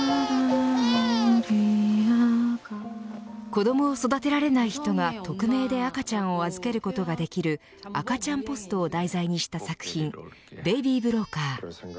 子どもを育てられない人が匿名で赤ちゃんを預けることができる赤ちゃんポストを題材にした作品ベイビー・ブローカー。